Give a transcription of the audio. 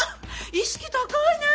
意識高いね。